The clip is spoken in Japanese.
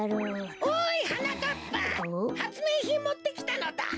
・おいはなかっぱはつめいひんもってきたのだ。